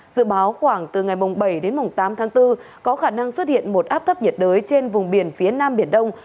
dự báo khoảng từ ngày bảy đến tám tháng bốn có khả năng xuất hiện một áp thấp nhiệt đới trên vùng biển phía nam biển đông